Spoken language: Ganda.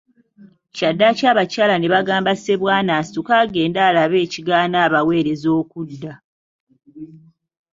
Kyaddaaki Abakyala ne bagamba Ssebwana asituke agende alabe ekigaana abaweereza okudda.